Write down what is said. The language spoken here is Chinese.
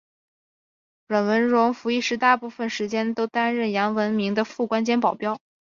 阮文戎服役时大部分时间都担任杨文明的副官兼保镖。